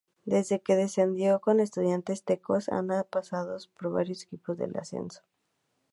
Desde que Descendió con Estudiantes Tecos, ha pasado por varios equipos del Ascenso.